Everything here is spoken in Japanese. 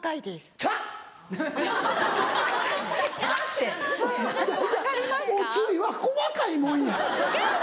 違う違うお釣りは細かいもんや。